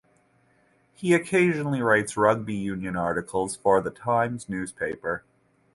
He occasionally writes rugby union articles for The Times newspaper.